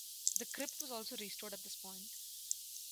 The crypt was also restored at this point.